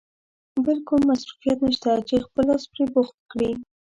بل کوم مصروفیت نشته چې خپل لاس پرې بوخت کړې.